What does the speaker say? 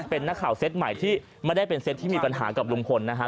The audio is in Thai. เป็นนักข่าวเซตใหม่ที่ไม่ได้เป็นเซตที่มีปัญหากับลุงพลนะฮะ